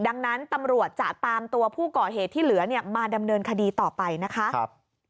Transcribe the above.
ดังนั้นตำรวจจะตามตัวผู้ก่อเหตุที่เหลือเนี่ยมาดำเนินคดีต่อไปนะคะ